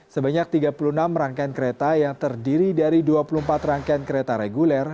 sebanyak tiga puluh enam rangkaian kereta yang terdiri dari dua puluh empat rangkaian kereta reguler